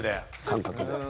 感覚で。